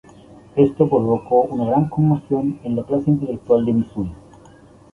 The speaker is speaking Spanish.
Esto provocó una gran conmoción en la clase intelectual de Misuri.